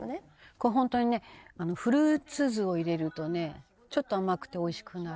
これホントにねフルーツ酢を入れるとねちょっと甘くて美味しくなる。